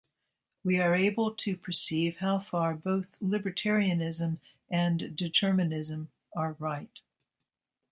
We are able to perceive how far both libertarianism and determinism are right.